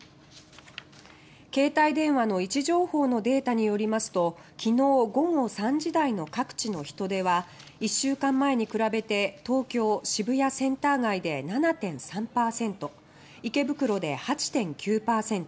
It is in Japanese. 携帯電話の位置情報のデータによりますときのう午後３時台の各地の人出は１週間前に比べて東京・渋谷センター街で７．３％池袋で８．９％